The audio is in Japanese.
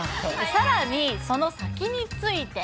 さらに、その先について。